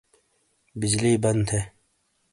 بجلی بن تھے۔